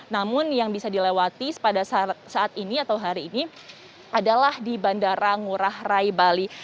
namun yang bisa dilewati pada saat ini atau hari ini adalah di bandara ngurah rai bali